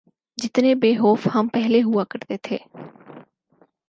جتنے بے خوف ہم پہلے ہوا کرتے تھے۔